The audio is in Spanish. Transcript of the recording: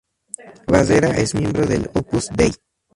Barrera es miembro del Opus Dei.